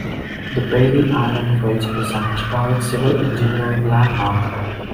The Bailey Island Bridge is an Historic Civil Engineering Landmark.